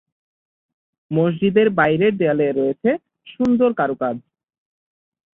মসজিদের বাইরে দেয়ালে রয়েছে সুন্দর কারুকাজ।